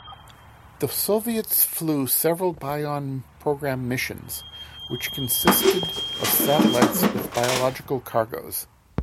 The Soviets flew several Bion program missions which consisted of satellites with biological cargoes.